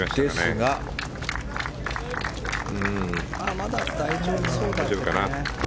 まだ大丈夫かな。